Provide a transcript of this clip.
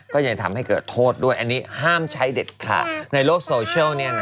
ก็ยังทำให้เกิดโทษด้วยอันนี้ห้ามใช้เด็ดขาดในโลกโซเชียล